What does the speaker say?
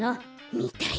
みたい。